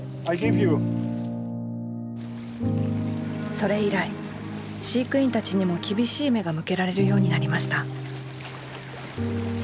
それ以来飼育員たちにも厳しい目が向けられるようになりました。